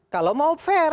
kalau mau fair